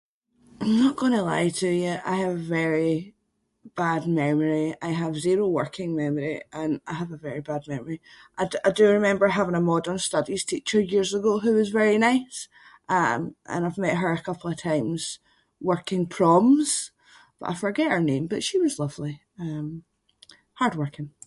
I’m not going to lie to you, I have very bad memory. I have zero working memory and I have a very bad memory. I do- I do remember having a modern studies teacher years ago who was very nice, um, and I’ve met her a couple of times working proms but I forget her name but she was lovely, um, hard-working.